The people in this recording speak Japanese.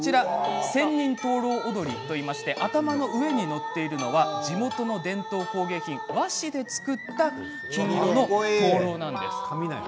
千人灯籠踊りといいまして頭の上に載っているのが地元の伝統工芸品、和紙で作った金色の灯籠なんです。